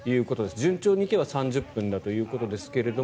順調にいけば３０分ということですが。